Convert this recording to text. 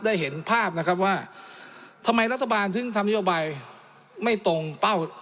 เห็นภาพนะครับว่าทำไมรัฐบาลถึงทำนโยบายไม่ตรงเป้า